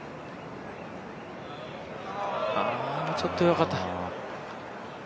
ちょっと弱かった。